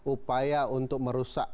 upaya untuk merusak